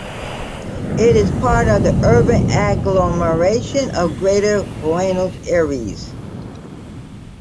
It is part of the urban agglomeration of Greater Buenos Aires.